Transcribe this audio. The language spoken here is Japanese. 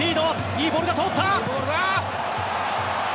いいボールが通った。